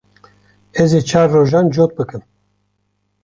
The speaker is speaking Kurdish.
Ez ê çar rojan cot bikim.